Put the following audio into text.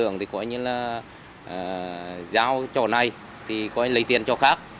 nếu như là giao chỗ này thì có lấy tiền chỗ khác